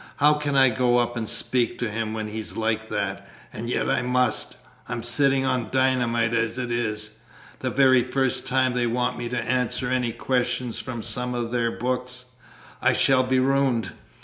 How can I go up and speak to him when he's like that? And yet I must. I'm sitting on dynamite as it is. The very first time they want me to answer any questions from some of their books, I shall be ruined!